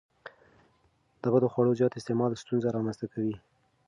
د بدخواړو زیات استعمال ستونزې رامنځته کوي.